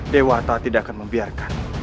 dewa tak tidak akan membiarkan